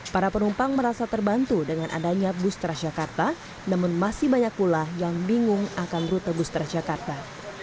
para penumpang merasa terbantu dengan adanya bus transjakarta namun masih banyak pula yang bingung akan rute bus transjakarta